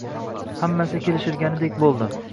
Hammasi kelishilganidek bo`ldi